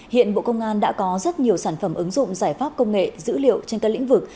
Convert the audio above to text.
hiện bộ công an đã có rất nhiều sản phẩm ứng dụng giải pháp công nghệ dữ liệu trên các lĩnh vực